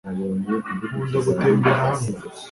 nkunda gutembera hano